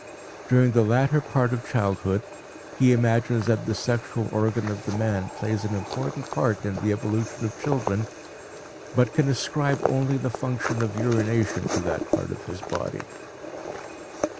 During the latter part of childhood, he imagines that the sexual organ of the man plays an important part in the evolution of children, but can ascribe only the function of urination to that part of his body.